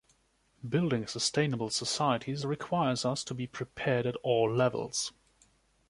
Building sustainable societies requires us to be prepared at all levels.